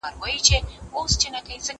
زه بايد ځواب وليکم؟؟